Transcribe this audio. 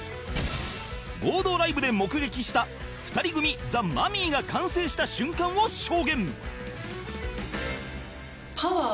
合同ライブで目撃した２人組ザ・マミィが完成した瞬間を証言